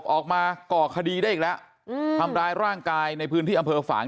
ออกมาก่อคดีได้อีกแล้วทำร้ายร่างกายในพื้นที่อำเภอฝาง